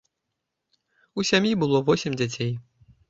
У сям'і было восем дзяцей.